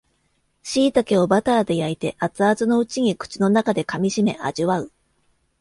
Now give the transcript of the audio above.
しいたけをバターで焼いて熱々のうちに口の中で噛みしめ味わう